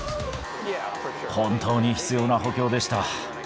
本当に必要な補強でした。